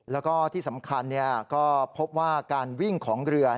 แล้วก็ที่สำคัญก็พบว่าการวิ่งของเรือ